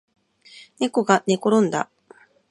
ねこがねころんだ